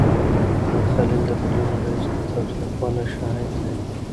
الخلیل د کلونو راهیسې د تاوتریخوالي شاهد دی.